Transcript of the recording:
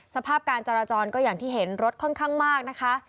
สภาพการจราจรก็อย่างที่เห็นรถค่อนข้างมากนะคะ